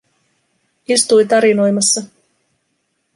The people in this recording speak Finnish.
Istui tarinoimassa.